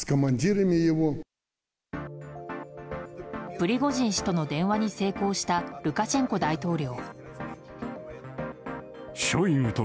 プリゴジン氏との電話に成功したルカシェンコ大統領。